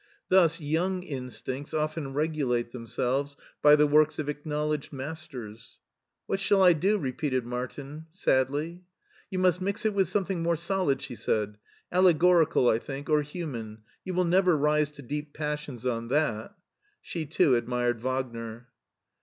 Thus young instincts often r^fulate themselves by the works of acknowledged masters. " What shall I do ?" repeated Martin sadly. " You must mix it with something more solid," she said ;" allegorical, I think, or human. You will never rise to deep passions on that." She too admired Wagner.